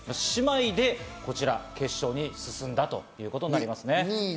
姉妹でこちら決勝に進んだということになりますね。